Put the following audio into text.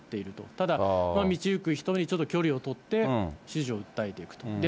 ただ、道行く人に距離を取って、支持を訴えていくと。